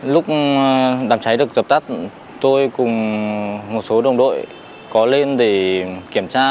lúc đàm cháy được dập tắt tôi cùng một số đồng đội có lên để kiểm tra